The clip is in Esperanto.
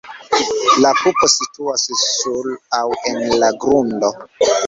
La pupo situas sur aŭ en la grundo.